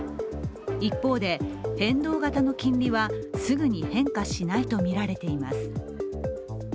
一方で、変動型の金利はすぐに変化しないとみられています。